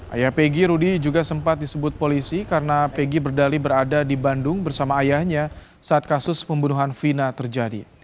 ayah pegg rudy juga sempat disebut polisi karena pegi berdali berada di bandung bersama ayahnya saat kasus pembunuhan vina terjadi